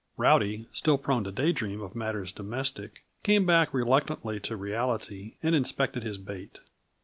Rowdy, still prone to day dreams of matters domestic, came back reluctantly to reality, and inspected his bait.